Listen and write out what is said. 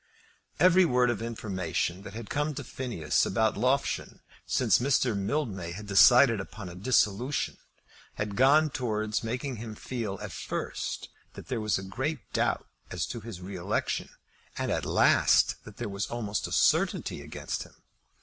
Every word of information that had come to Phineas about Loughshane since Mr. Mildmay had decided upon a dissolution, had gone towards making him feel at first that there was a great doubt as to his re election, and at last that there was almost a certainty against him.